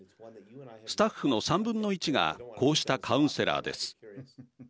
スタッフの３分の１がこうしたカウンセラーです。